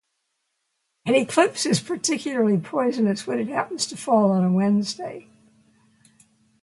An eclipse is particularly poisonous when it happens to fall on a Wednesday.